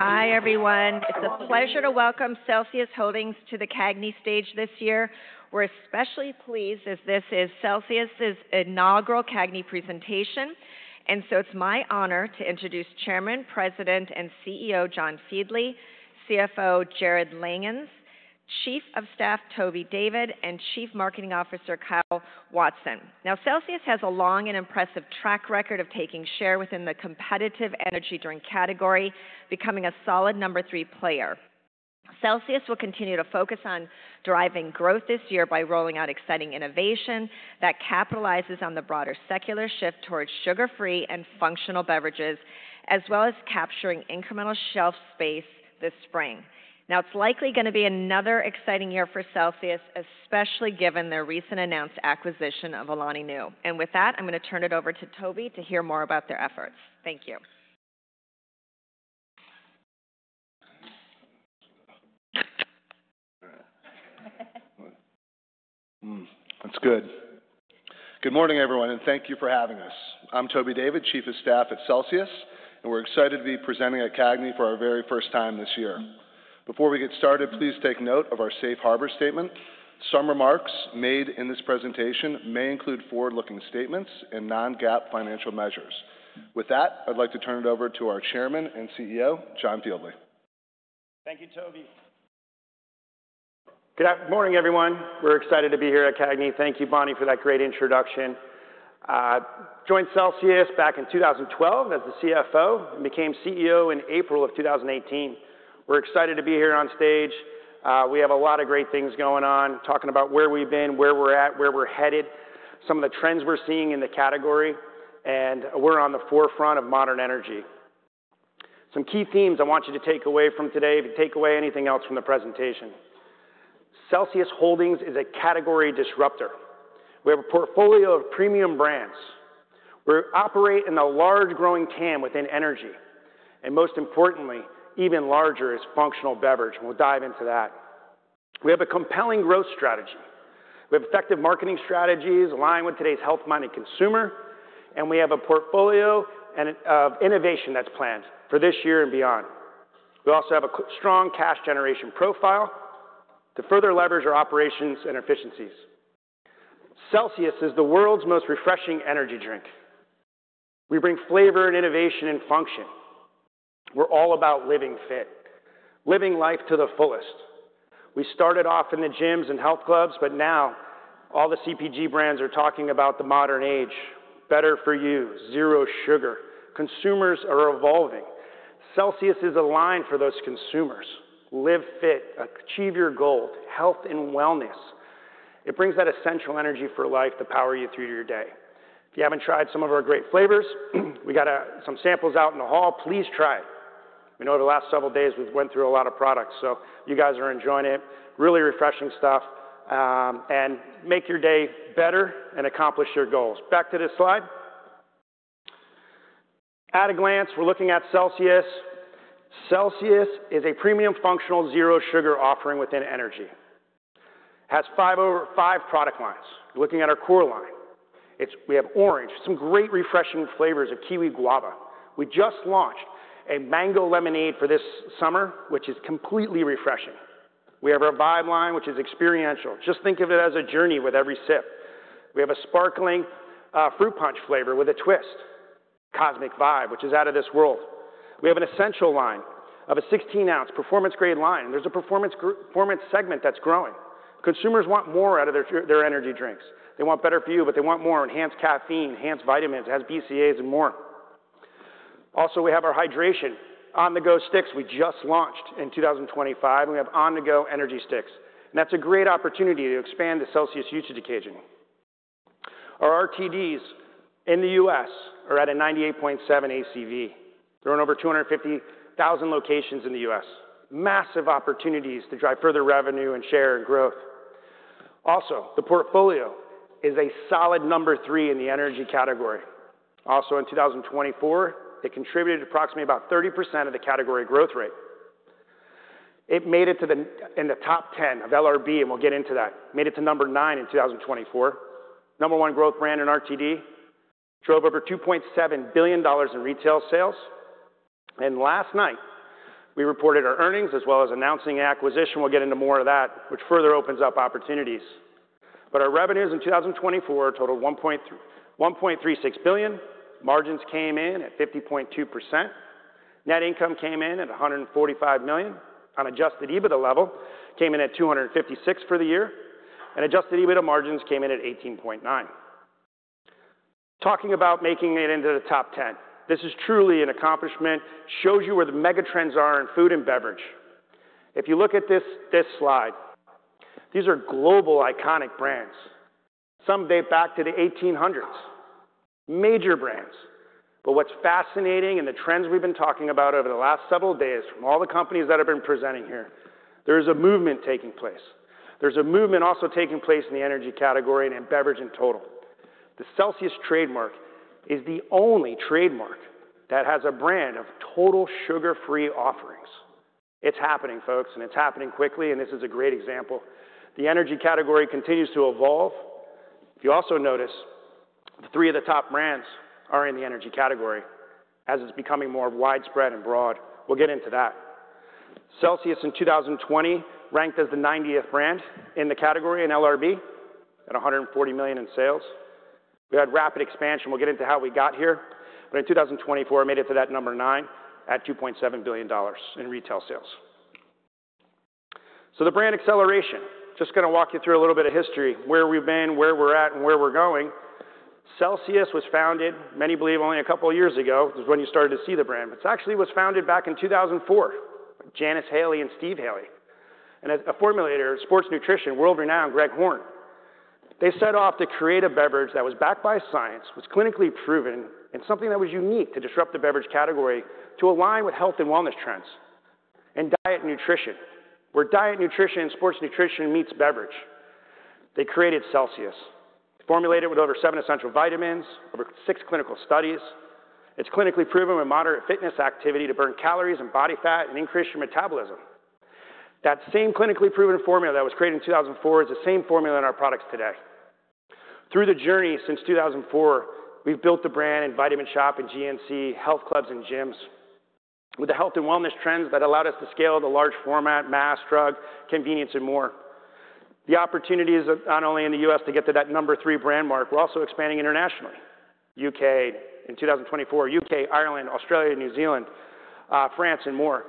Hi, everyone. It's a pleasure to welcome Celsius Holdings to the CAGNI stage this year. We're especially pleased as this is Celsius's inaugural CAGNI presentation, and so it's my honor to introduce Chairman, President, and CEO John Fieldly, CFO Jarrod Langhans, Chief of Staff Toby David, and Chief Marketing Officer Kyle Watson. Now, Celsius has a long and impressive track record of taking share within the competitive energy drink category, becoming a solid number three player. Celsius will continue to focus on driving growth this year by rolling out exciting innovation that capitalizes on the broader secular shift towards sugar-free and functional beverages, as well as capturing incremental shelf space this spring. Now, it's likely going to be another exciting year for Celsius, especially given their recent announced acquisition of Alani Nu, and with that, I'm going to turn it over to Toby to hear more about their efforts. Thank you. That's good. Good morning, everyone, and thank you for having us. I'm Toby David, Chief of Staff at Celsius, and we're excited to be presenting at CAGNI for our very first time this year. Before we get started, please take note of our safe harbor statement. Some remarks made in this presentation may include forward-looking statements and non-GAAP financial measures. With that, I'd like to turn it over to our Chairman and CEO, John Fieldly. Thank you, Toby. Good morning, everyone. We're excited to be here at CAGNI. Thank you, Bonnie, for that great introduction. I joined Celsius back in 2012 as the CFO and became CEO in April of 2018. We're excited to be here on stage. We have a lot of great things going on, talking about where we've been, where we're at, where we're headed, some of the trends we're seeing in the category, and we're on the forefront of modern energy. Some key themes I want you to take away from today. If you take away anything else from the presentation. Celsius Holdings is a category disrupter. We have a portfolio of premium brands. We operate in a large-growing TAM within energy, and most importantly, even larger as functional beverage. We'll dive into that. We have a compelling growth strategy. We have effective marketing strategies aligned with today's health-minded consumer, and we have a portfolio of innovation that's planned for this year and beyond. We also have a strong cash generation profile to further leverage our operations and efficiencies. Celsius is the world's most refreshing energy drink. We bring flavor and innovation and function. We're all about living fit, living life to the fullest. We started off in the gyms and health clubs, but now all the CPG brands are talking about the modern age, better for you, zero sugar. Consumers are evolving. Celsius is aligned for those consumers. Live fit, achieve your goal, health and wellness. It brings that essential energy for life to power you through your day. If you haven't tried some of our great flavors, we got some samples out in the hall. Please try it. We know over the last several days we've went through a lot of products, so you guys are enjoying it. Really refreshing stuff that makes your day better and accomplish your goals. Back to this slide. At a glance, we're looking at Celsius. Celsius is a premium functional zero sugar offering within energy. It has five product lines. Looking at our core line, we have Orange, some great refreshing flavors of Kiwi Guava. We just launched a Mango Lemonade for this summer, which is completely refreshing. We have our Vibe line, which is experiential. Just think of it as a journey with every sip. We have a Sparkling Fruit Punch flavor with a twist, Cosmic Vibe, which is out of this world. We have an Essentials line of a 16-ounce performance-grade line. There's a performance segment that's growing. Consumers want more out of their energy drinks. They want better for you, but they want more enhanced caffeine, enhanced vitamins. It has BCAAs and more. Also, we have our Hydration on-the-go sticks we just launched in 2025, and we have on-the-go energy sticks, and that's a great opportunity to expand the Celsius usage occasion. Our RTDs in the U.S. are at a 98.7 ACV. They're in over 250,000 locations in the U.S. Massive opportunities to drive further revenue and share and growth. Also, the portfolio is a solid number three in the energy category. Also, in 2024, it contributed approximately about 30% of the category growth rate. It made it to the top 10 of LRB, and we'll get into that. Made it to number nine in 2024. Number one growth brand in RTD, drove over $2.7 billion in retail sales, and last night, we reported our earnings as well as announcing an acquisition. We'll get into more of that, which further opens up opportunities. But our revenues in 2024 totaled $1.36 billion. Margins came in at 50.2%. Net income came in at $145 million. On Adjusted EBITDA level, came in at $256 million for the year. And Adjusted EBITDA margins came in at 18.9%. Talking about making it into the top 10, this is truly an accomplishment, shows you where the mega trends are in food and beverage. If you look at this slide, these are global iconic brands. Some date back to the 1800s. Major brands. But what's fascinating and the trends we've been talking about over the last several days from all the companies that have been presenting here, there is a movement taking place. There's a movement also taking place in the energy category and in beverage in total. The Celsius trademark is the only trademark that has a brand of total sugar-free offerings. It's happening, folks, and it's happening quickly, and this is a great example. The energy category continues to evolve. If you also notice, three of the top brands are in the energy category as it's becoming more widespread and broad. We'll get into that. Celsius in 2020 ranked as the 90th brand in the category in LRB at $140 million in sales. We had rapid expansion. We'll get into how we got here. But in 2024, it made it to that number nine at $2.7 billion in retail sales. So the brand acceleration, just going to walk you through a little bit of history, where we've been, where we're at, and where we're going. Celsius was founded, many believe, only a couple of years ago. It was when you started to see the brand. But it actually was founded back in 2004 by Janice Haley and Steve Haley. And a formulator, sports nutrition, world-renowned Greg Horn. They set off to create a beverage that was backed by science, was clinically proven, and something that was unique to disrupt the beverage category to align with health and wellness trends and diet nutrition, where diet nutrition and sports nutrition meets beverage. They created Celsius. They formulated it with over seven essential vitamins, over six clinical studies. It's clinically proven with moderate fitness activity to burn calories and body fat and increase your metabolism. That same clinically proven formula that was created in 2004 is the same formula in our products today. Through the journey since 2004, we've built the brand in Vitamin Shoppe and GNC, health clubs and gyms, with the health and wellness trends that allowed us to scale the large format, mass drug, convenience, and more. The opportunity is not only in the U.S. to get to that number three brand mark. We're also expanding internationally, U.K. in 2024, U.K., Ireland, Australia, New Zealand, France, and more.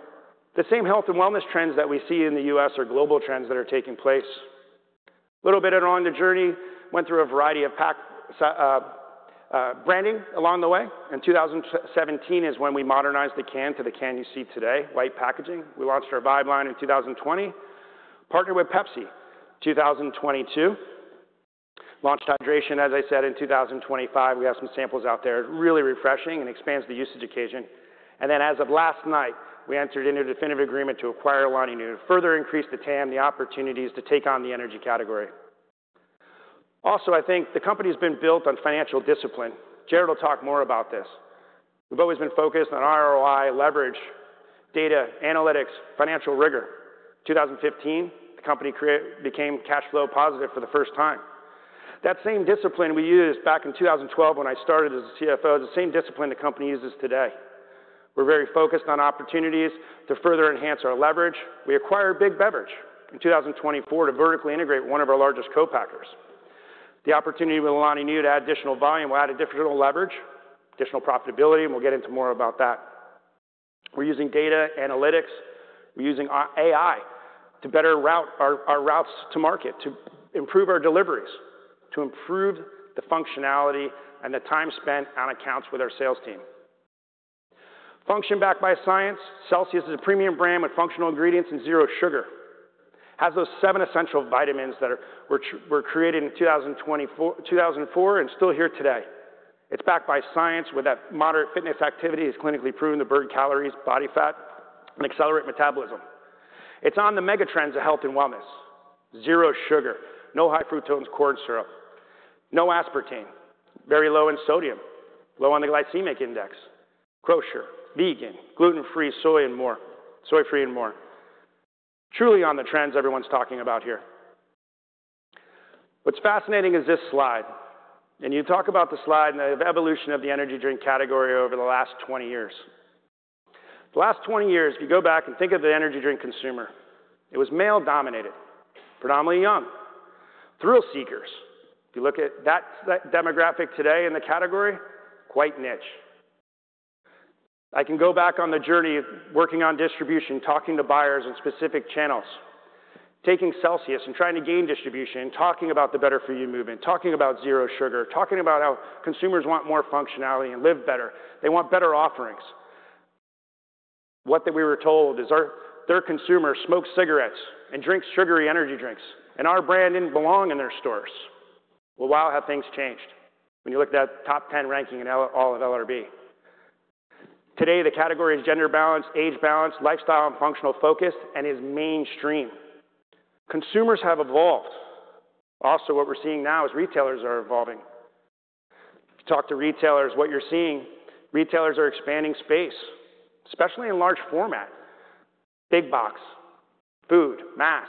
The same health and wellness trends that we see in the U.S. are global trends that are taking place. A little bit along the journey, went through a variety of branding along the way. In 2017 is when we modernized the can to the can you see today, white packaging. We launched our Vibe line in 2020, partnered with Pepsi in 2022, launched Hydration, as I said, in 2025. We have some samples out there. It's really refreshing and expands the usage occasion, and then as of last night, we entered into a definitive agreement to acquire Alani Nu to further increase the TAM, the opportunities to take on the energy category. Also, I think the company has been built on financial discipline. Jarrod will talk more about this. We've always been focused on ROI, leverage, data, analytics, financial rigor. In 2015, the company became cash flow positive for the first time. That same discipline we used back in 2012 when I started as a CFO is the same discipline the company uses today. We're very focused on opportunities to further enhance our leverage. We acquired Big Beverage in 2024 to vertically integrate one of our largest co-packers. The opportunity with Alani Nu to add additional volume will add additional leverage, additional profitability, and we'll get into more about that. We're using data analytics. We're using AI to better route our routes to market, to improve our deliveries, to improve the functionality and the time spent on accounts with our sales team. Function backed by science, Celsius is a premium brand with functional ingredients and zero sugar. It has those seven essential vitamins that were created in 2004 and still here today. It's backed by science with that moderate fitness activity is clinically proven to burn calories, body fat, and accelerate metabolism. It's on the mega trends of health and wellness. Zero sugar, no high fructose corn syrup, no aspartame, very low in sodium, low on the glycemic index, kosher, vegan, gluten-free soy and more, soy-free and more. Truly on the trends everyone's talking about here. What's fascinating is this slide and you talk about the slide and the evolution of the energy drink category over the last 20 years. The last 20 years, if you go back and think of the energy drink consumer, it was male-dominated, predominantly young. Thrill seekers, if you look at that demographic today in the category, quite niche. I can go back on the journey of working on distribution, talking to buyers in specific channels, taking Celsius and trying to gain distribution, talking about the better for you movement, talking about zero sugar, talking about how consumers want more functionality and live better. They want better offerings. What we were told is their consumer smokes cigarettes and drinks sugary energy drinks, and our brand didn't belong in their stores. Well, wow. How things changed when you look at that top 10 ranking in all of LRB. Today, the category is gender balance, age balance, lifestyle, and functional focus, and is mainstream. Consumers have evolved. Also, what we're seeing now is retailers are evolving. Talk to retailers, what you're seeing: retailers are expanding space, especially in large format, big box, food, mass.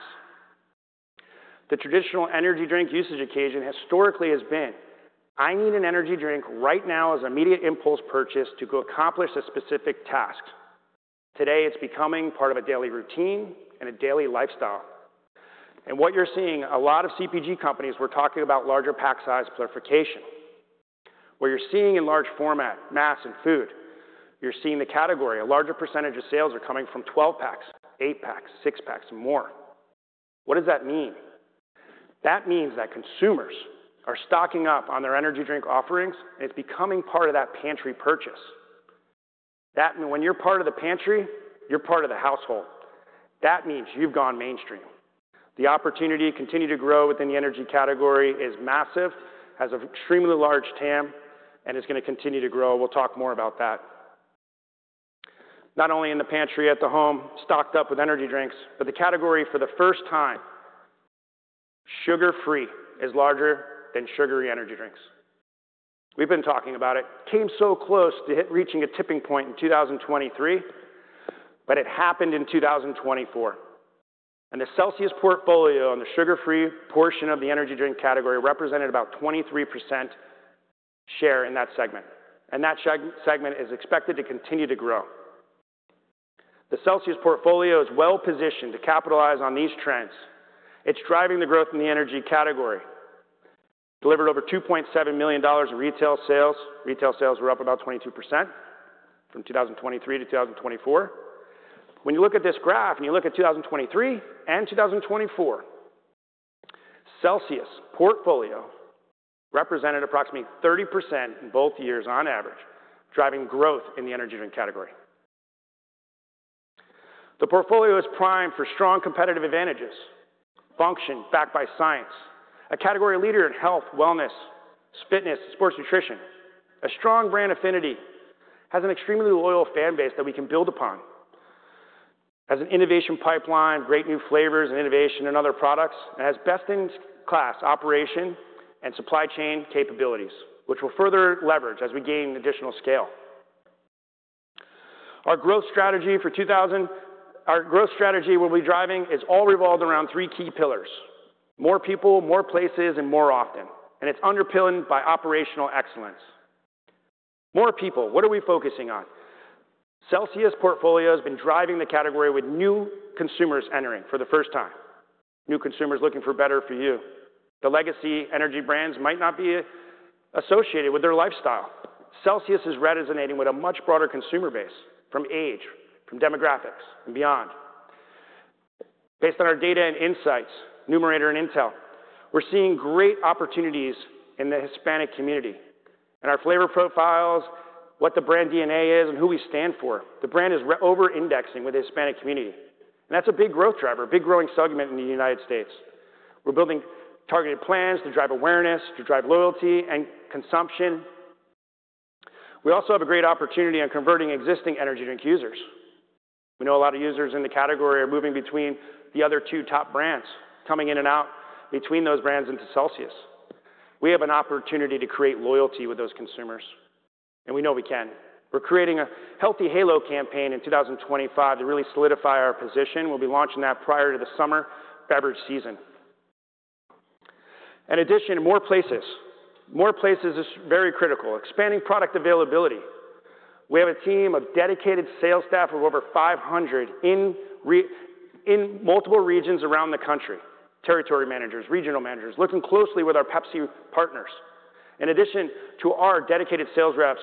The traditional energy drink usage occasion historically has been, I need an energy drink right now as an immediate impulse purchase to accomplish a specific task. Today, it's becoming part of a daily routine and a daily lifestyle, and what you're seeing, a lot of CPG companies were talking about larger pack size clarification, where you're seeing in large format, mass, and food, you're seeing the category, a larger percentage of sales are coming from 12 packs, eight packs, six packs, and more. What does that mean? That means that consumers are stocking up on their energy drink offerings, and it's becoming part of that pantry purchase. That means when you're part of the pantry, you're part of the household. That means you've gone mainstream. The opportunity to continue to grow within the energy category is massive, has an extremely large TAM, and is going to continue to grow. We'll talk more about that. Not only in the pantry at the home, stocked up with energy drinks, but the category for the first time, sugar-free is larger than sugary energy drinks. We've been talking about it. Came so close to reaching a tipping point in 2023, but it happened in 2024. And the Celsius portfolio on the sugar-free portion of the energy drink category represented about 23% share in that segment. And that segment is expected to continue to grow. The Celsius portfolio is well-positioned to capitalize on these trends. It's driving the growth in the energy category. Delivered over $2.7 million in retail sales. Retail sales were up about 22% from 2023 to 2024. When you look at this graph and you look at 2023 and 2024, Celsius portfolio represented approximately 30% in both years on average, driving growth in the energy drink category. The portfolio is primed for strong competitive advantages, function backed by science, a category leader in health, wellness, fitness, sports nutrition. A strong brand affinity has an extremely loyal fan base that we can build upon. Has an innovation pipeline, great new flavors and innovation in other products, and has best-in-class operation and supply chain capabilities, which we'll further leverage as we gain additional scale. Our growth strategy for 2024, our growth strategy we'll be driving is all revolved around three key pillars: more people, more places, and more often, and it's underpinned by operational excellence. More people, what are we focusing on? Celsius portfolio has been driving the category with new consumers entering for the first time. New consumers looking for better-for-you. The legacy energy brands might not be associated with their lifestyle. Celsius is resonating with a much broader consumer base from age, from demographics, and beyond. Based on our data and insights, Numerator and internal, we're seeing great opportunities in the Hispanic community. And our flavor profiles, what the brand DNA is, and who we stand for, the brand is over-indexing with the Hispanic community. And that's a big growth driver, a big growing segment in the United States. We're building targeted plans to drive awareness, to drive loyalty and consumption. We also have a great opportunity in converting existing energy drink users. We know a lot of users in the category are moving between the other two top brands, coming in and out between those brands into Celsius. We have an opportunity to create loyalty with those consumers. And we know we can. We're creating a healthy halo campaign in 2025 to really solidify our position. We'll be launching that prior to the summer beverage season. In addition, more places, more places is very critical. Expanding product availability. We have a team of dedicated sales staff of over 500 in multiple regions around the country, territory managers, regional managers, looking closely with our Pepsi partners. In addition to our dedicated sales reps,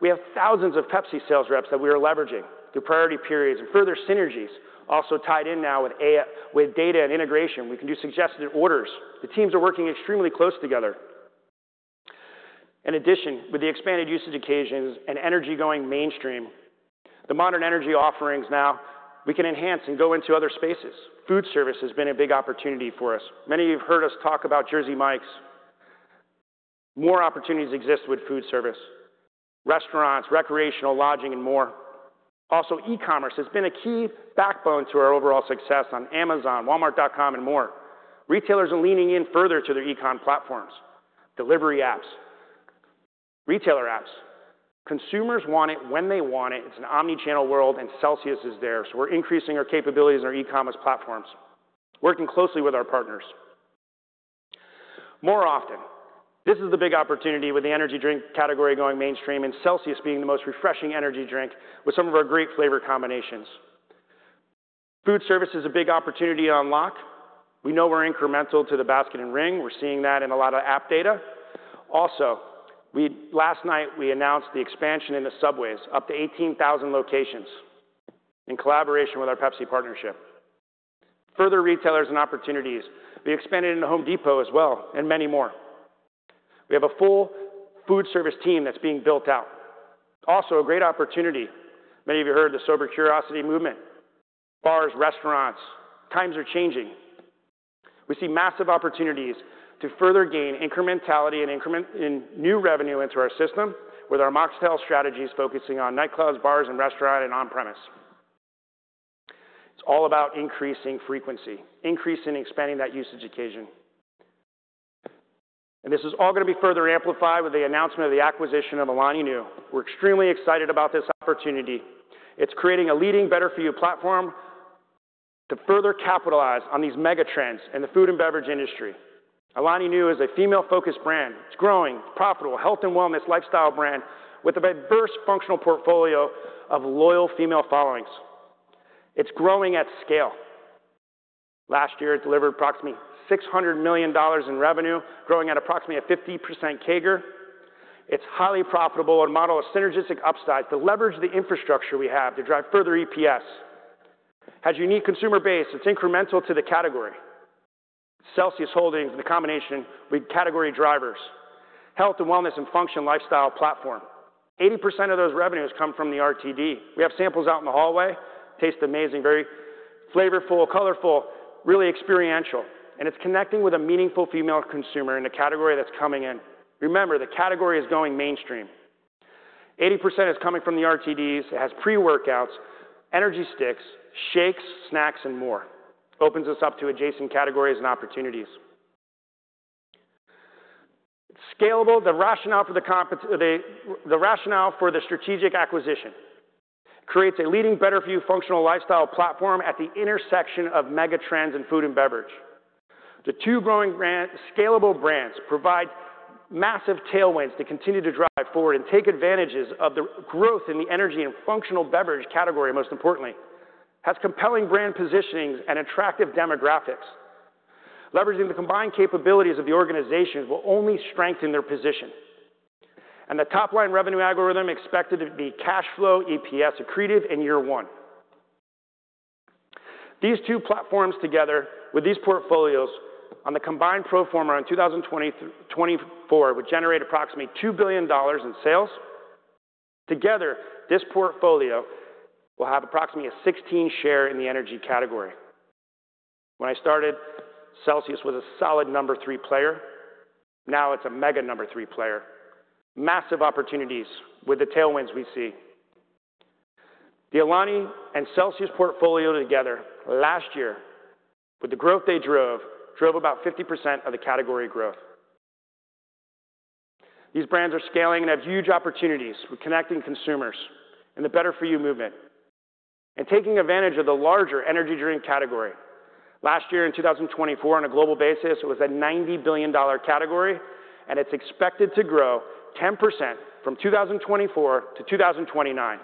we have thousands of Pepsi sales reps that we are leveraging through priority periods and further synergies also tied in now with data and integration. We can do suggested orders. The teams are working extremely close together. In addition, with the expanded usage occasions and energy going mainstream, the modern energy offerings now, we can enhance and go into other spaces. Food service has been a big opportunity for us. Many of you have heard us talk about Jersey Mike's. More opportunities exist with food service, restaurants, recreational lodging, and more. Also, e-commerce has been a key backbone to our overall success on Amazon, Walmart.com, and more. Retailers are leaning in further to their e-com platforms, delivery apps, retailer apps. Consumers want it when they want it. It's an omnichannel world, and Celsius is there. So we're increasing our capabilities in our e-commerce platforms, working closely with our partners. More often, this is the big opportunity with the energy drink category going mainstream and Celsius being the most refreshing energy drink with some of our great flavor combinations. Food service is a big opportunity to unlock. We know we're incremental to the basket and ring. We're seeing that in a lot of app data. Also, last night we announced the expansion into Subway, up to 18,000 locations in collaboration with our Pepsi partnership. Further retailers and opportunities. We expanded into Home Depot as well and many more. We have a full food service team that's being built out. Also, a great opportunity. Many of you heard the sober curious movement, bars, restaurants. Times are changing. We see massive opportunities to further gain incrementality and increment in new revenue into our system with our mocktail strategies focusing on nightclubs, bars, and restaurant and on-premise. It's all about increasing frequency, increasing and expanding that usage occasion, and this is all going to be further amplified with the announcement of the acquisition of Alani Nu. We're extremely excited about this opportunity. It's creating a leading better-for-you platform to further capitalize on these mega trends in the food and beverage industry. Alani Nu is a female-focused brand. It's growing, profitable, health and wellness lifestyle brand with a diverse functional portfolio of loyal female followings. It's growing at scale. Last year, it delivered approximately $600 million in revenue, growing at approximately a 50% CAGR. It's highly profitable and model of synergistic upsize to leverage the infrastructure we have to drive further EPS. Has a unique consumer base. It's incremental to the category. Celsius Holdings and the combination with category drivers, health and wellness and function lifestyle platform. 80% of those revenues come from the RTD. We have samples out in the hallway. Tastes amazing, very flavorful, colorful, really experiential, and it's connecting with a meaningful female consumer in a category that's coming in. Remember, the category is going mainstream. 80% is coming from the RTDs. It has pre-workouts, energy sticks, shakes, snacks, and more. Opens us up to adjacent categories and opportunities. Alani, the rationale for the strategic acquisition creates a leading better-for-you functional lifestyle platform at the intersection of mega trends in food and beverage. The two growing scalable brands provide massive tailwinds to continue to drive forward and take advantages of the growth in the energy and functional beverage category, most importantly. Has compelling brand positionings and attractive demographics. Leveraging the combined capabilities of the organizations will only strengthen their position. And the top-line revenue algorithm expected to be cash flow, EPS, accretive in year one. These two platforms together with these portfolios on the combined pro forma in 2024 would generate approximately $2 billion in sales. Together, this portfolio will have approximately a 16% share in the energy category. When I started, Celsius was a solid number three player. Now it's a mega number three player. Massive opportunities with the tailwinds we see. The Alani and Celsius portfolio together last year with the growth they drove about 50% of the category growth. These brands are scaling and have huge opportunities with connecting consumers in the better-for-you movement and taking advantage of the larger energy drink category. Last year in 2024, on a global basis, it was a $90 billion category, and it's expected to grow 10% from 2024 to 2029.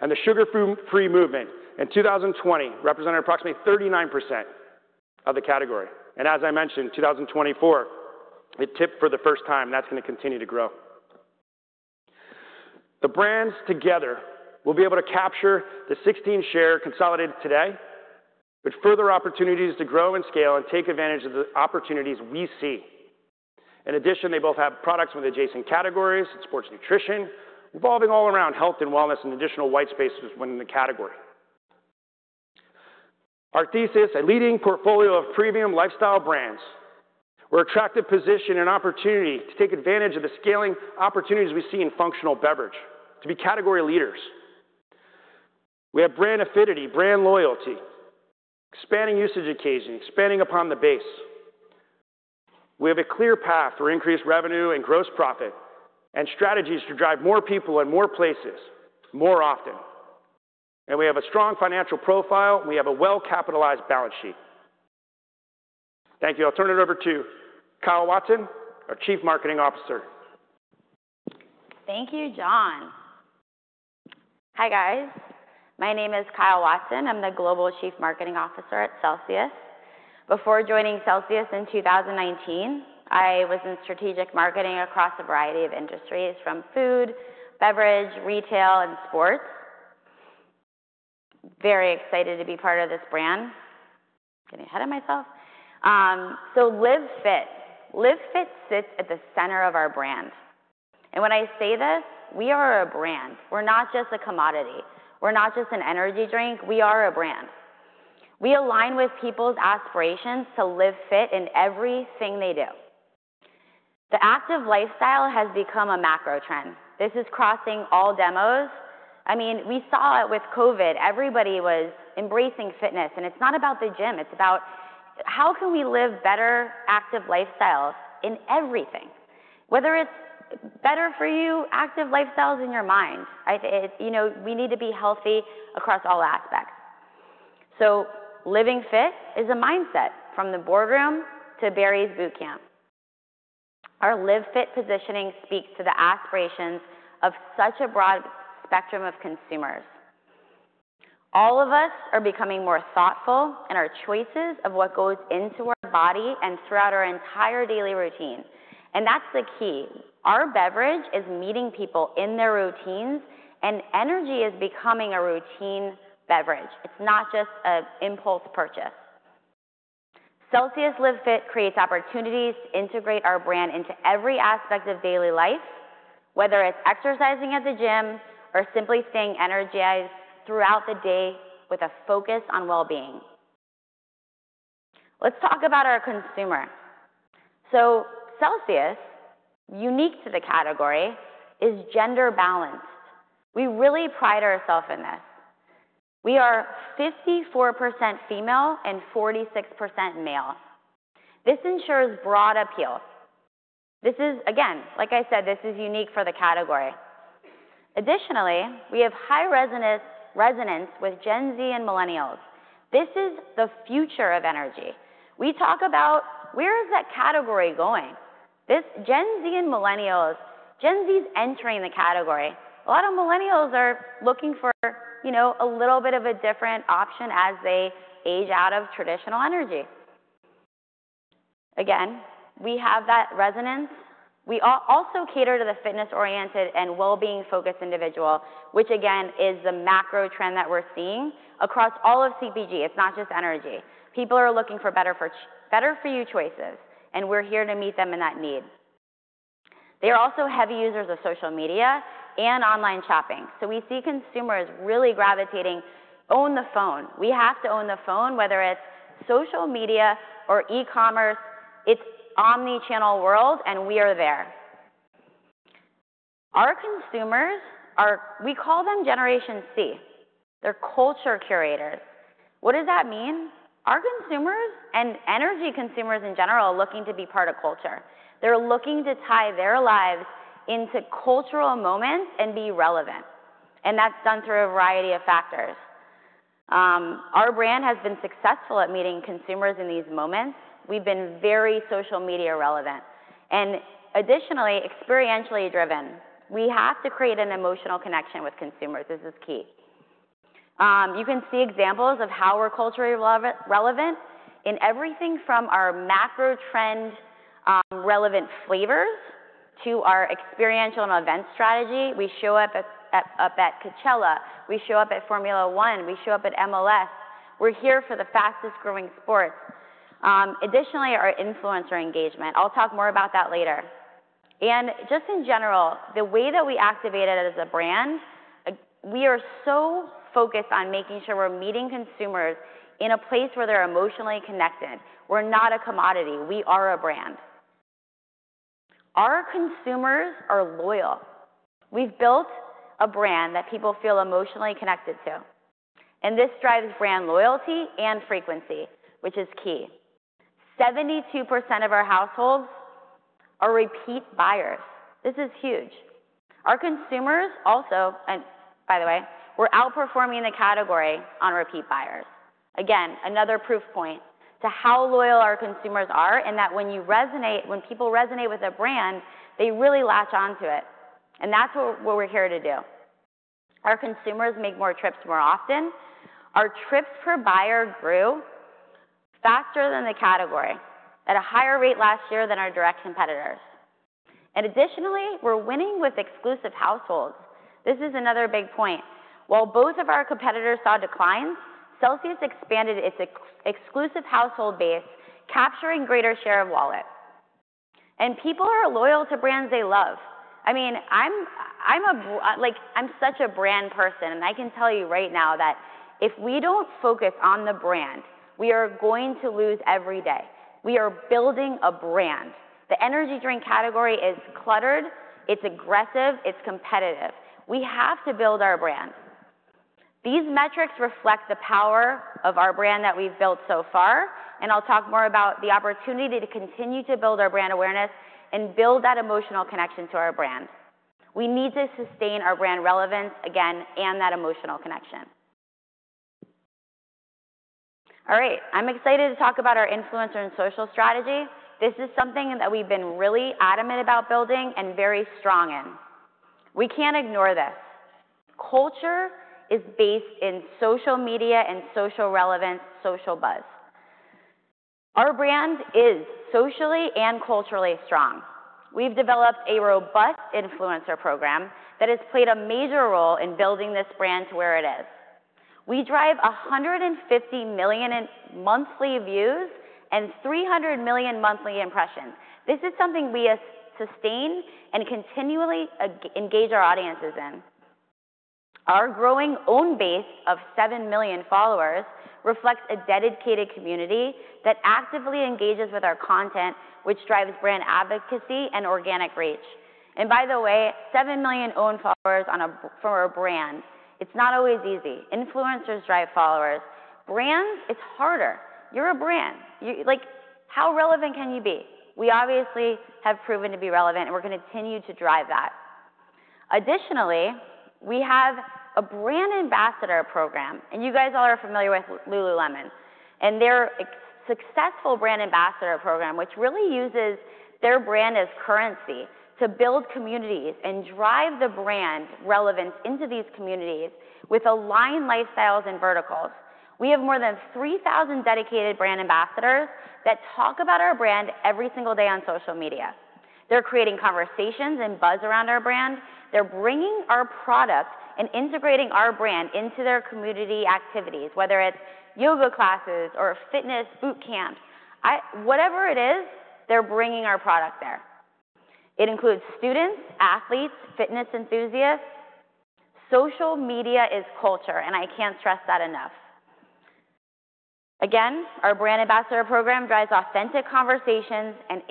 The sugar-free movement in 2020 represented approximately 39% of the category. As I mentioned, 2024, it tipped for the first time, and that's going to continue to grow. The brands together will be able to capture the 16% share consolidated today, with further opportunities to grow and scale and take advantage of the opportunities we see. In addition, they both have products with adjacent categories and sports nutrition involving all around health and wellness and additional white spaces within the category. Our thesis, a leading portfolio of premium lifestyle brands, we're attracted to position an opportunity to take advantage of the scaling opportunities we see in functional beverage to be category leaders. We have brand affinity, brand loyalty, expanding usage occasion, expanding upon the base. We have a clear path for increased revenue and gross profit and strategies to drive more people in more places more often, and we have a strong financial profile. We have a well-capitalized balance sheet. Thank you. I'll turn it over to Kyle Watson, our Chief Marketing Officer. Thank you, John. Hi guys. My name is Kyle Watson. I'm the global Chief Marketing Officer at Celsius. Before joining Celsius in 2019, I was in strategic marketing across a variety of industries from food, beverage, retail, and sports. Very excited to be part of this brand. Getting ahead of myself. So Live Fit. Live Fit sits at the center of our brand. And when I say this, we are a brand. We're not just a commodity. We're not just an energy drink. We are a brand. We align with people's aspirations to live fit in everything they do. The active lifestyle has become a macro trend. This is crossing all demos. I mean, we saw it with COVID. Everybody was embracing fitness. And it's not about the gym. It's about how can we live better active lifestyles in everything, whether it's better for you, active lifestyles in your mind. We need to be healthy across all aspects, so living fit is a mindset from the boardroom to Barry's Bootcamp. Our Live Fit positioning speaks to the aspirations of such a broad spectrum of consumers. All of us are becoming more thoughtful in our choices of what goes into our body and throughout our entire daily routine, and that's the key. Our beverage is meeting people in their routines, and energy is becoming a routine beverage. It's not just an impulse purchase. Celsius Live Fit creates opportunities to integrate our brand into every aspect of daily life, whether it's exercising at the gym or simply staying energized throughout the day with a focus on well-being. Let's talk about our consumer, so Celsius, unique to the category, is gender balanced. We really pride ourselves in this. We are 54% female and 46% male. This ensures broad appeal. This is, again, like I said, this is unique for the category. Additionally, we have high resonance with Gen Z and millennials. This is the future of energy. We talk about where is that category going? This Gen Z and millennials, Gen Z is entering the category. A lot of millennials are looking for a little bit of a different option as they age out of traditional energy. Again, we have that resonance. We also cater to the fitness-oriented and well-being-focused individual, which again is the macro trend that we're seeing across all of CPG. It's not just energy. People are looking for better for you choices, and we're here to meet them in that need. They are also heavy users of social media and online shopping. So we see consumers really gravitating. Own the phone. We have to own the phone, whether it's social media or e-commerce. It's omnichannel world, and we are there. Our consumers, we call them Generation C. They're culture curators. What does that mean? Our consumers and energy consumers in general are looking to be part of culture. They're looking to tie their lives into cultural moments and be relevant. And that's done through a variety of factors. Our brand has been successful at meeting consumers in these moments. We've been very social media relevant and additionally experientially driven. We have to create an emotional connection with consumers. This is key. You can see examples of how we're culturally relevant in everything from our macro trend relevant flavors to our experiential and event strategy. We show up at Coachella. We show up at Formula One. We show up at MLS. We're here for the fastest growing sports. Additionally, our influencer engagement. I'll talk more about that later. Just in general, the way that we activate it as a brand, we are so focused on making sure we're meeting consumers in a place where they're emotionally connected. We're not a commodity. We are a brand. Our consumers are loyal. We've built a brand that people feel emotionally connected to. And this drives brand loyalty and frequency, which is key. 72% of our households are repeat buyers. This is huge. Our consumers also, and by the way, we're outperforming the category on repeat buyers. Again, another proof point to how loyal our consumers are in that when you resonate, when people resonate with a brand, they really latch onto it. And that's what we're here to do. Our consumers make more trips more often. Our trips per buyer grew faster than the category at a higher rate last year than our direct competitors. Additionally, we're winning with exclusive households. This is another big point. While both of our competitors saw declines, Celsius expanded its exclusive household base, capturing greater share of wallet. People are loyal to brands they love. I mean, I'm such a brand person, and I can tell you right now that if we don't focus on the brand, we are going to lose every day. We are building a brand. The energy drink category is cluttered. It's aggressive. It's competitive. We have to build our brand. These metrics reflect the power of our brand that we've built so far. I'll talk more about the opportunity to continue to build our brand awareness and build that emotional connection to our brand. We need to sustain our brand relevance again and that emotional connection. All right. I'm excited to talk about our influencer and social strategy. This is something that we've been really adamant about building and very strong in. We can't ignore this. Culture is based in social media and social relevance, social buzz. Our brand is socially and culturally strong. We've developed a robust influencer program that has played a major role in building this brand to where it is. We drive 150 million monthly views and 300 million monthly impressions. This is something we sustain and continually engage our audiences in. Our growing own base of seven million followers reflects a dedicated community that actively engages with our content, which drives brand advocacy and organic reach. And by the way, seven million own followers for our brand. It's not always easy. Influencers drive followers. Brands, it's harder. You're a brand. How relevant can you be? We obviously have proven to be relevant, and we're going to continue to drive that. Additionally, we have a brand ambassador program, and you guys all are familiar with Lululemon and their successful brand ambassador program, which really uses their brand as currency to build communities and drive the brand relevance into these communities with aligned lifestyles and verticals. We have more than 3,000 dedicated brand ambassadors that talk about our brand every single day on social media. They're creating conversations and buzz around our brand. They're bringing our product and integrating our brand into their community activities, whether it's yoga classes or a fitness boot camp. Whatever it is, they're bringing our product there. It includes students, athletes, fitness enthusiasts. Social media is culture, and I can't stress that enough. Again, our brand ambassador program drives authentic conversations and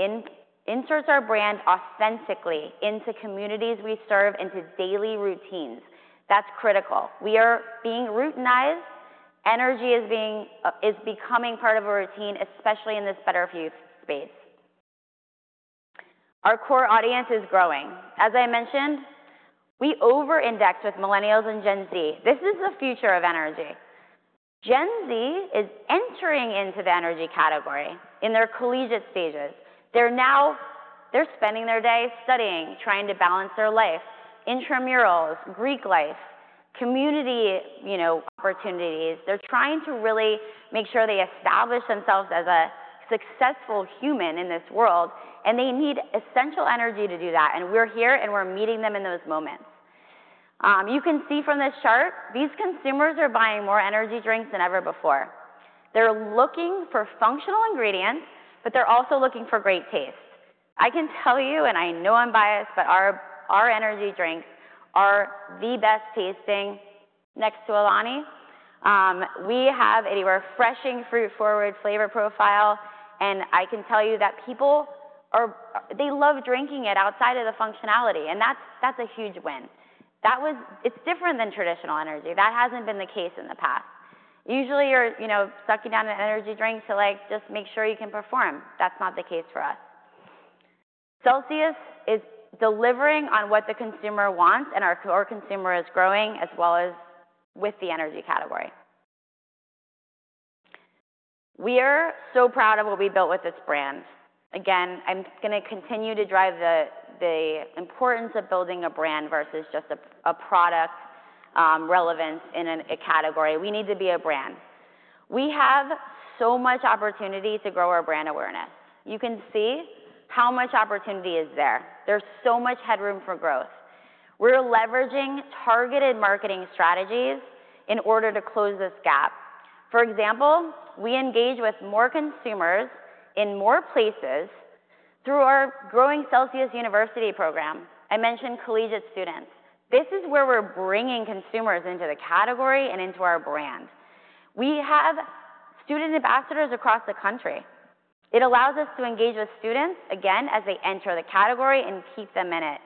inserts our brand authentically into communities we serve into daily routines. That's critical. We are being routinized. Energy is becoming part of a routine, especially in this better-for-you space. Our core audience is growing. As I mentioned, we over-index with millennials and Gen Z. This is the future of energy. Gen Z is entering into the energy category in their collegiate stages. They're spending their day studying, trying to balance their life, intramurals, Greek life, community opportunities. They're trying to really make sure they establish themselves as a successful human in this world, and they need essential energy to do that. And we're here, and we're meeting them in those moments. You can see from this chart, these consumers are buying more energy drinks than ever before. They're looking for functional ingredients, but they're also looking for great taste. I can tell you, and I know I'm biased, but our energy drinks are the best tasting next to Alani. We have a refreshing fruit-forward flavor profile, and I can tell you that people, they love drinking it outside of the functionality, and that's a huge win. It's different than traditional energy. That hasn't been the case in the past. Usually, you're sucking down an energy drink to just make sure you can perform. That's not the case for us. Celsius is delivering on what the consumer wants, and our core consumer is growing as well as with the energy category. We are so proud of what we built with this brand. Again, I'm going to continue to drive the importance of building a brand versus just a product relevance in a category. We need to be a brand. We have so much opportunity to grow our brand awareness. You can see how much opportunity is there. There's so much headroom for growth. We're leveraging targeted marketing strategies in order to close this gap. For example, we engage with more consumers in more places through our growing Celsius University program. I mentioned collegiate students. This is where we're bringing consumers into the category and into our brand. We have student ambassadors across the country. It allows us to engage with students, again, as they enter the category and keep them in it.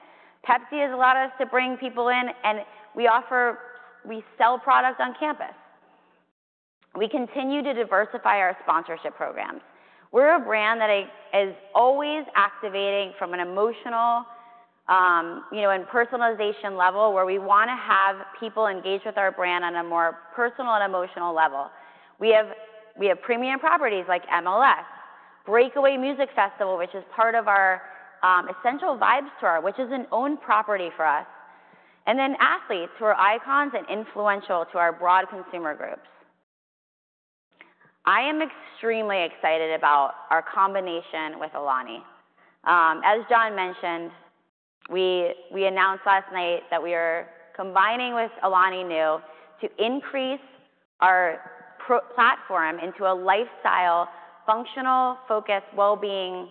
Pepsi has allowed us to bring people in, and we sell products on campus. We continue to diversify our sponsorship programs. We're a brand that is always activating from an emotional and personalization level where we want to have people engage with our brand on a more personal and emotional level. We have premium properties like MLS, Breakaway Music Festival, which is part of our Essential Vibes Tour, which is an owned property for us, and then athletes who are icons and influential to our broad consumer groups. I am extremely excited about our combination with Alani Nu. As John mentioned, we announced last night that we are combining with Alani Nu to increase our platform into a lifestyle, functional, focused, well-being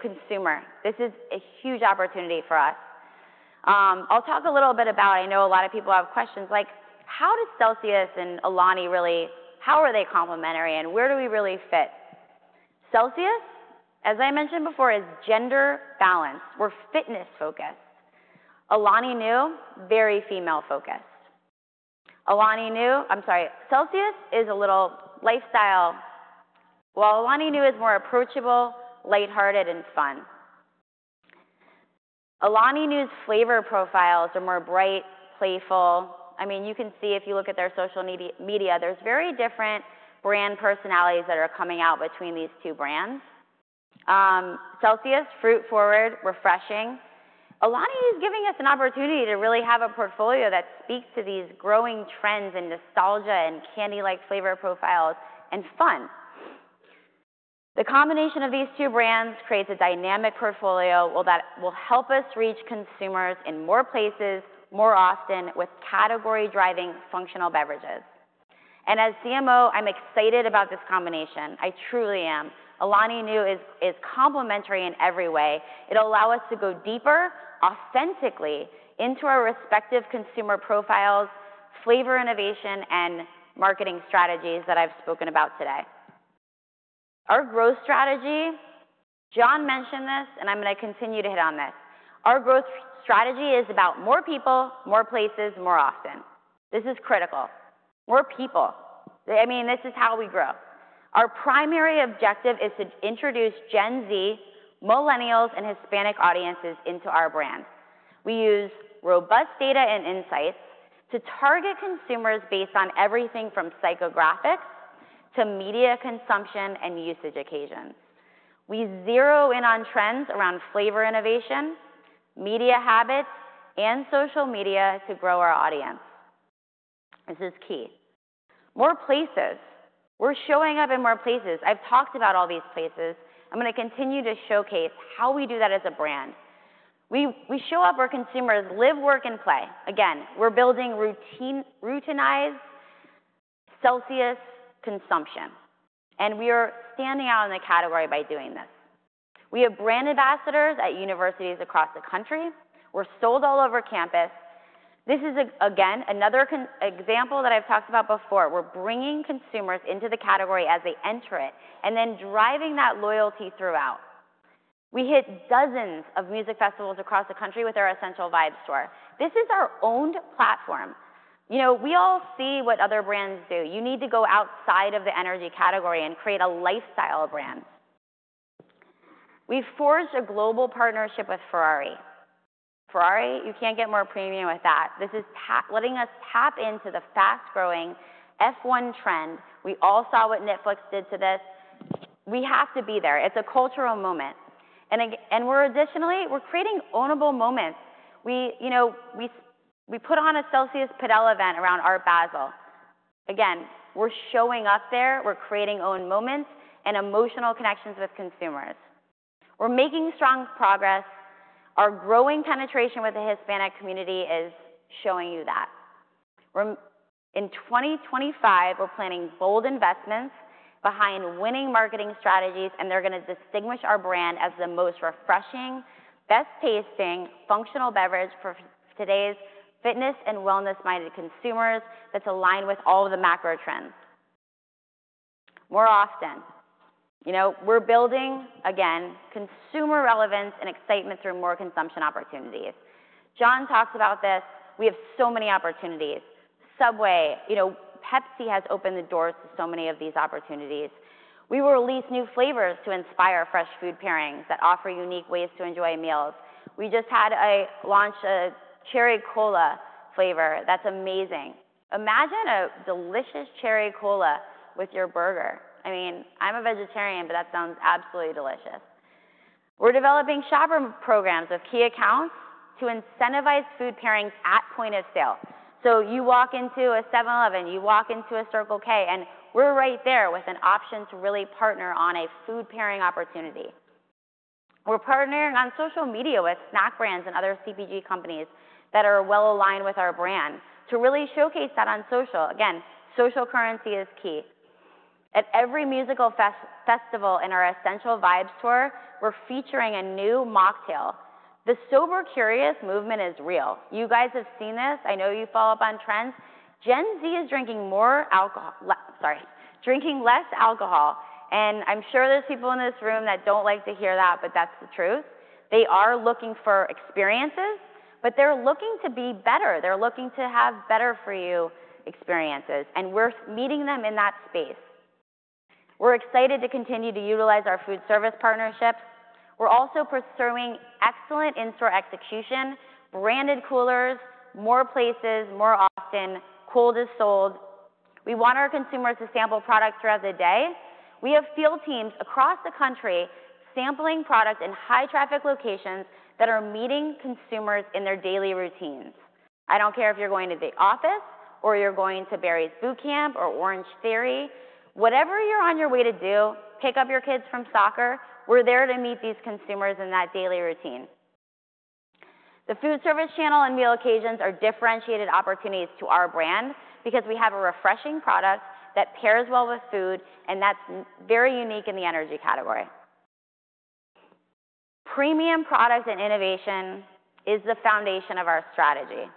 consumer. This is a huge opportunity for us. I'll talk a little bit about, I know a lot of people have questions like, how does Celsius and Alani Nu really, how are they complementary, and where do we really fit? Celsius, as I mentioned before, is gender balanced. We're fitness-focused. Alani Nu, very female-focused. Alani Nu, I'm sorry. Celsius is a little lifestyle. Well, Alani Nu is more approachable, lighthearted, and fun. Alani Nu's flavor profiles are more bright, playful. I mean, you can see if you look at their social media, there's very different brand personalities that are coming out between these two brands. Celsius, fruit-forward, refreshing. Alani Nu is giving us an opportunity to really have a portfolio that speaks to these growing trends and nostalgia and candy-like flavor profiles and fun. The combination of these two brands creates a dynamic portfolio that will help us reach consumers in more places, more often with category-driving functional beverages. And as CMO, I'm excited about this combination. I truly am. Alani Nu is complementary in every way. It'll allow us to go deeper, authentically into our respective consumer profiles, flavor innovation, and marketing strategies that I've spoken about today. Our growth strategy, John mentioned this, and I'm going to continue to hit on this. Our growth strategy is about more people, more places, more often. This is critical. More people. I mean, this is how we grow. Our primary objective is to introduce Gen Z, millennials, and Hispanic audiences into our brand. We use robust data and insights to target consumers based on everything from psychographics to media consumption and usage occasions. We zero in on trends around flavor innovation, media habits, and social media to grow our audience. This is key. More places. We're showing up in more places. I've talked about all these places. I'm going to continue to showcase how we do that as a brand. We show up where consumers live, work, and play. Again, we're building routinized Celsius consumption, and we are standing out in the category by doing this. We have brand ambassadors at universities across the country. We're sold all over campus. This is, again, another example that I've talked about before. We're bringing consumers into the category as they enter it and then driving that loyalty throughout. We hit dozens of music festivals across the country with our Essential Vibes Tour. This is our owned platform. We all see what other brands do. You need to go outside of the energy category and create a lifestyle brand. We've forged a global partnership with Ferrari. Ferrari, you can't get more premium with that. This is letting us tap into the fast-growing F1 trend. We all saw what Netflix did to this. We have to be there. It's a cultural moment, and additionally, we're creating ownable moments. We put on a Celsius Padel event around Art Basel. Again, we're showing up there. We're creating owned moments and emotional connections with consumers. We're making strong progress. Our growing penetration with the Hispanic community is showing you that. In 2025, we're planning bold investments behind winning marketing strategies, and they're going to distinguish our brand as the most refreshing, best-tasting, functional beverage for today's fitness and wellness-minded consumers that's aligned with all of the macro trends. More often. We're building, again, consumer relevance and excitement through more consumption opportunities. John talks about this. We have so many opportunities. Subway, Pepsi has opened the doors to so many of these opportunities. We will release new flavors to inspire fresh food pairings that offer unique ways to enjoy meals. We just had a launch of Cherry Cola flavor. That's amazing. Imagine a delicious Cherry Cola with your burger. I mean, I'm a vegetarian, but that sounds absolutely delicious. We're developing shopper programs with key accounts to incentivize food pairings at point of sale. So you walk into a 7-Eleven, you walk into a Circle K, and we're right there with an option to really partner on a food pairing opportunity. We're partnering on social media with snack brands and other CPG companies that are well-aligned with our brand to really showcase that on social. Again, social currency is key. At every musical festival and our Essential Vibes Tour, we're featuring a new mocktail. The sober-curious movement is real. You guys have seen this. I know you follow up on trends. Gen Z is drinking more alcohol, sorry, drinking less alcohol, and I'm sure there's people in this room that don't like to hear that, but that's the truth. They are looking for experiences, but they're looking to be better. They're looking to have better-for-you experiences, and we're meeting them in that space. We're excited to continue to utilize our food service partnerships. We're also pursuing excellent in-store execution, branded coolers, more places, more often, Cold to Sold. We want our consumers to sample products throughout the day. We have field teams across the country sampling products in high-traffic locations that are meeting consumers in their daily routines. I don't care if you're going to the office or you're going to Barry's Boot Camp or Orangetheory. Whatever you're on your way to do, pick up your kids from soccer, we're there to meet these consumers in that daily routine. The food service channel and meal occasions are differentiated opportunities to our brand because we have a refreshing product that pairs well with food, and that's very unique in the energy category. Premium products and innovation is the foundation of our strategy.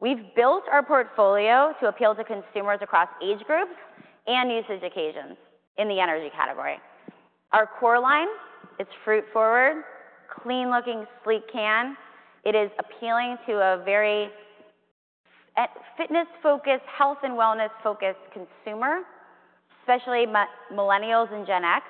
We've built our portfolio to appeal to consumers across age groups and usage occasions in the energy category. Our core line is fruit-forward, clean-looking, sleek can. It is appealing to a very fitness-focused, health and wellness-focused consumer, especially millennials and Gen X.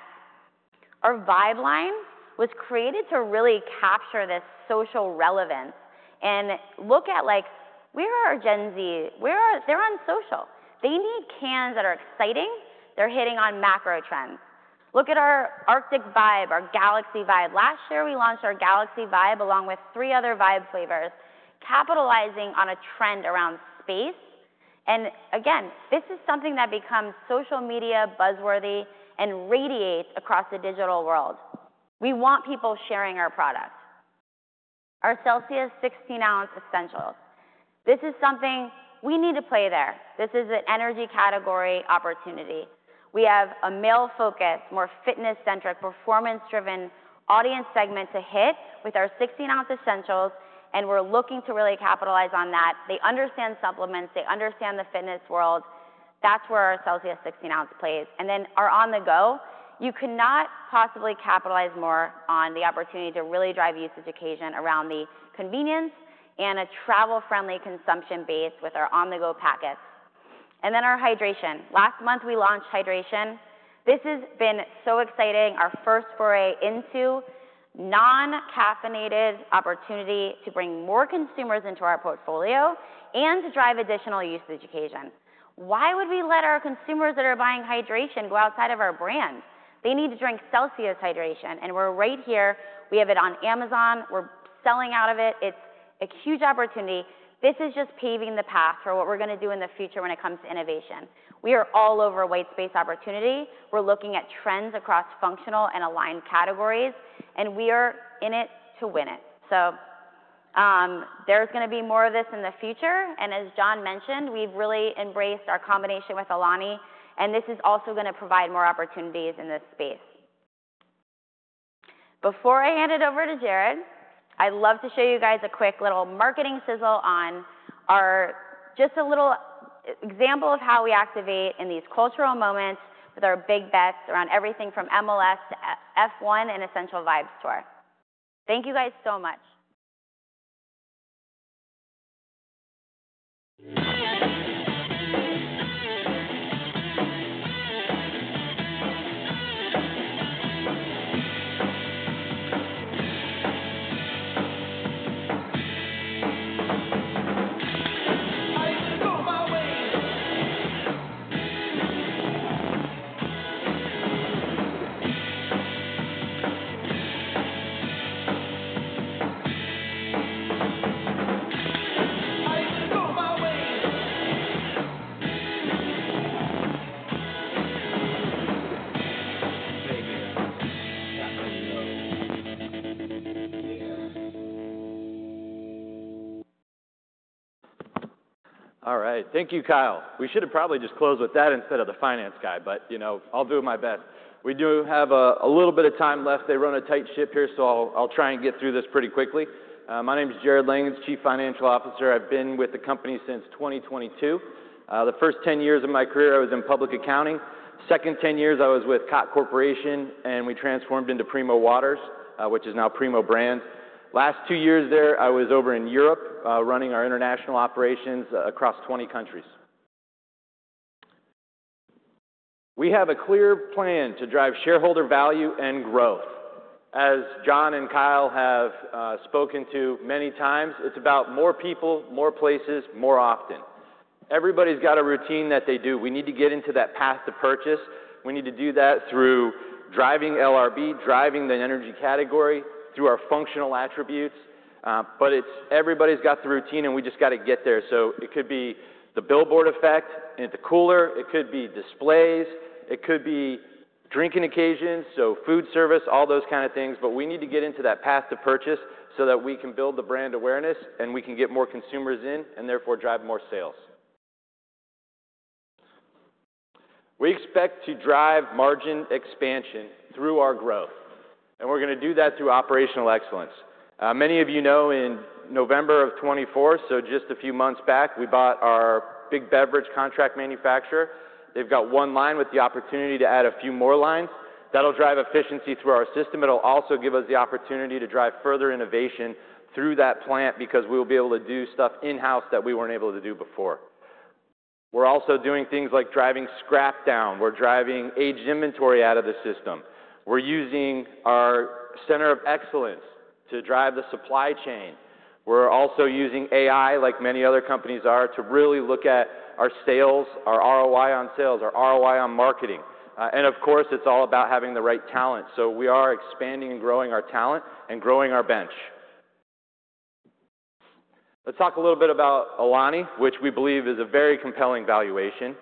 Our Vibe line was created to really capture this social relevance and look at, like, where are Gen Z? They're on social. They need cans that are exciting. They're hitting on macro trends. Look at our Arctic Vibe, our Galaxy Vibe. Last year, we launched our Galaxy Vibe along with three other Vibe flavors, capitalizing on a trend around space. And again, this is something that becomes social media buzzworthy and radiates across the digital world. We want people sharing our product. Our Celsius 16-ounce Essentials. This is something we need to play there. This is an energy category opportunity. We have a male-focused, more fitness-centric, performance-driven audience segment to hit with our 16-ounce Essentials, and we're looking to really capitalize on that. They understand supplements. They understand the fitness world. That's where our Celsius 16-ounce plays. And then our on-the-go. You cannot possibly capitalize more on the opportunity to really drive usage occasion around the convenience and a travel-friendly consumption base with our on-the-go packets. And then our hydration. Last month, we launched hydration. This has been so exciting. Our first foray into non-caffeinated opportunity to bring more consumers into our portfolio and to drive additional usage occasion. Why would we let our consumers that are buying hydration go outside of our brand? They need to drink Celsius hydration, and we're right here. We have it on Amazon. We're selling out of it. It's a huge opportunity. This is just paving the path for what we're going to do in the future when it comes to innovation. We are all over white space opportunity. We're looking at trends across functional and aligned categories, and we are in it to win it. So there's going to be more of this in the future, and as John mentioned, we've really embraced our combination with Alani, and this is also going to provide more opportunities in this space. Before I hand it over to Jarrod, I'd love to show you guys a quick little marketing sizzle on, just a little example of how we activate in these cultural moments with our big bets around everything from MLS to F1 and Essential Vibes Tour. Thank you guys so much. All right. Thank you, Kyle. We should have probably just closed with that instead of the finance guy, but I'll do my best. We do have a little bit of time left. They run a tight ship here, so I'll try and get through this pretty quickly. My name is Jarrod Langhans, Chief Financial Officer. I've been with the company since 2022. The first 10 years of my career, I was in public accounting. Second 10 years, I was with Cott Corporation, and we transformed into Primo Water, which is now Primo Brands. Last two years there, I was over in Europe running our international operations across 20 countries. We have a clear plan to drive shareholder value and growth. As John and Kyle have spoken to many times, it's about more people, more places, more often. Everybody's got a routine that they do. We need to get into that path to purchase. We need to do that through driving LRB, driving the energy category through our functional attributes, but everybody's got the routine, and we just got to get there, so it could be the billboard effect and the cooler. It could be displays. It could be drinking occasions, so food service, all those kinds of things. But we need to get into that path to purchase so that we can build the brand awareness and we can get more consumers in and therefore drive more sales. We expect to drive margin expansion through our growth, and we're going to do that through operational excellence. Many of you know in November of 2024, so just a few months back, we bought our Big Beverage Contract Manufacturing. They've got one line with the opportunity to add a few more lines. That'll drive efficiency through our system. It'll also give us the opportunity to drive further innovation through that plant because we'll be able to do stuff in-house that we weren't able to do before. We're also doing things like driving scrap down. We're driving aged inventory out of the system. We're using our center of excellence to drive the supply chain. We're also using AI, like many other companies are, to really look at our sales, our ROI on sales, our ROI on marketing. And of course, it's all about having the right talent. So we are expanding and growing our talent and growing our bench. Let's talk a little bit about Alani, which we believe is a very compelling valuation.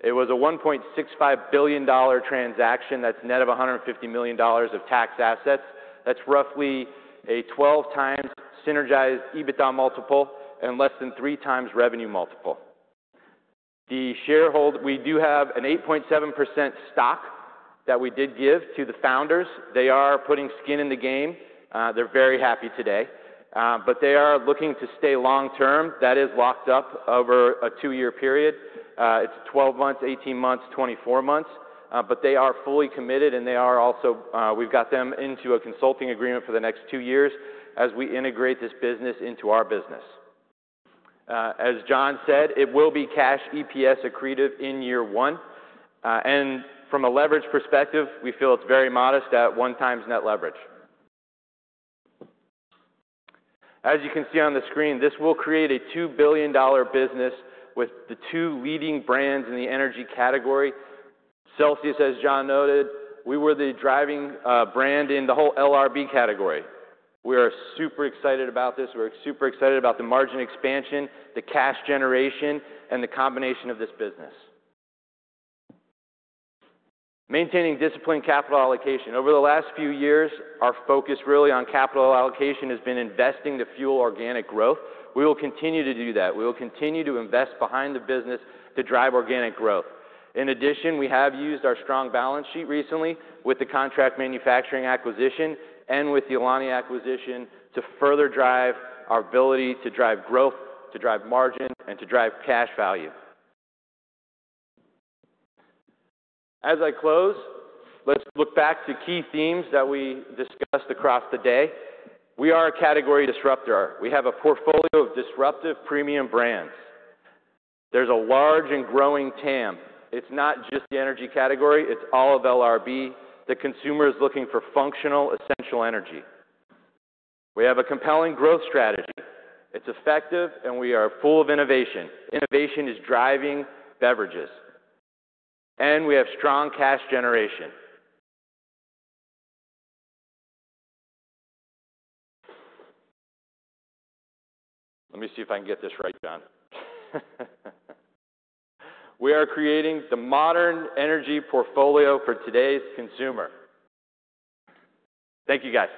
It was a $1.65 billion transaction that's net of $150 million of tax assets. That's roughly a 12-times synergized EBITDA multiple and less than 3-times revenue multiple. The shareholder, we do have an 8.7% stock that we did give to the founders. They are putting skin in the game. They're very happy today, but they are looking to stay long-term. That is locked up over a two-year period. It's 12 months, 18 months, 24 months, but they are fully committed, and they are also. We've got them into a consulting agreement for the next two years as we integrate this business into our business. As John said, it will be cash EPS accretive in year one. And from a leverage perspective, we feel it's very modest at one-times net leverage. As you can see on the screen, this will create a $2 billion business with the two leading brands in the energy category. Celsius, as John noted, we were the driving brand in the whole LRB category. We are super excited about this. We're super excited about the margin expansion, the cash generation, and the combination of this business. Maintaining disciplined capital allocation. Over the last few years, our focus really on capital allocation has been investing to fuel organic growth. We will continue to do that. We will continue to invest behind the business to drive organic growth. In addition, we have used our strong balance sheet recently with the contract manufacturing acquisition and with the Alani acquisition to further drive our ability to drive growth, to drive margin, and to drive cash value. As I close, let's look back to key themes that we discussed across the day. We are a category disruptor. We have a portfolio of disruptive premium brands. There's a large and growing TAM. It's not just the energy category. It's all of LRB. The consumer is looking for functional, essential energy. We have a compelling growth strategy. It's effective, and we are full of innovation. Innovation is driving beverages, and we have strong cash generation. Let me see if I can get this right, John. We are creating the modern energy portfolio for today's consumer. Thank you, guys.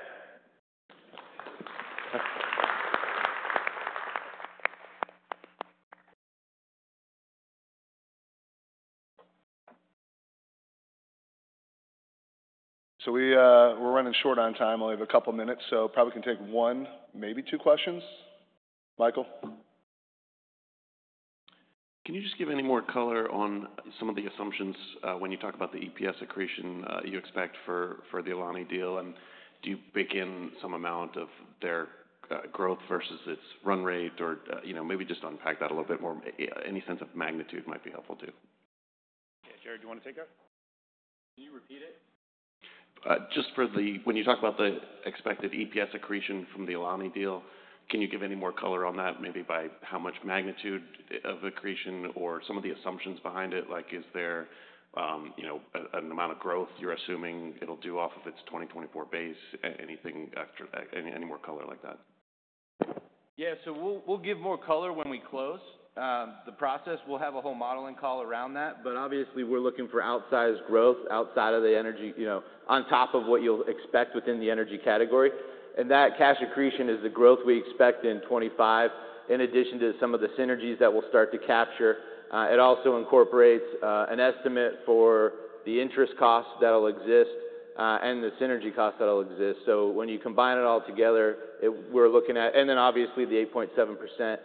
We're running short on time. I'll have a couple of minutes, so probably can take one, maybe two questions. Michael? Can you just give any more color on some of the assumptions when you talk about the EPS accretion you expect for the Alani deal? And do you bake in some amount of their growth versus its run rate or maybe just unpack that a little bit more? Any sense of magnitude might be helpful too. Jarrod, do you want to take it? Can you repeat it? Just for the, when you talk about the expected EPS accretion from the Alani deal, can you give any more color on that, maybe by how much magnitude of accretion or some of the assumptions behind it? Like, is there an amount of growth you're assuming it'll do off of its 2024 base? Anything after, any more color like that? Yeah, so we'll give more color when we close. The process, we'll have a whole modeling call around that, but obviously, we're looking for outsized growth outside of the energy, on top of what you'll expect within the energy category. And that cash accretion is the growth we expect in 2025, in addition to some of the synergies that we'll start to capture. It also incorporates an estimate for the interest costs that'll exist and the synergy costs that'll exist. So when you combine it all together, we're looking at, and then obviously the 8.7%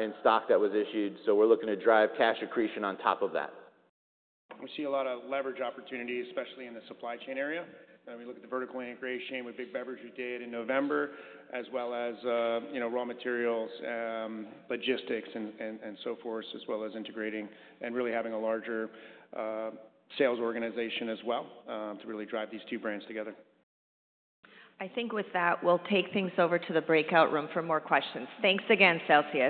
in stock that was issued. So we're looking to drive cash accretion on top of that. We see a lot of leverage opportunity, especially in the supply chain area. We look at the vertical integration with Big Beverage we did in November, as well as raw materials, logistics, and so forth, as well as integrating and really having a larger sales organization as well to really drive these two brands together. I think with that, we'll take things over to the breakout room for more questions. Thanks again, Celsius.